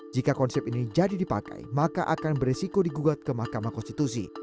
jika konsep ini jadi dipakai maka akan beresiko digugat ke mahkamah konstitusi